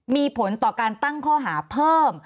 มีผลต่อการตั้งข้อหาเพิ่ม